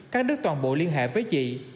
các đất toàn bộ liên hệ với chị